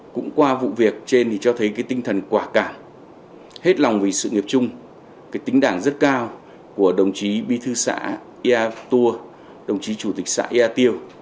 cũng qua vụ việc trên thì cho thấy cái tinh thần quả cảm hết lòng vì sự nghiệp chung cái tính đảng rất cao của đồng chí bi thư xã iapua đồng chí chủ tịch xã ea tiêu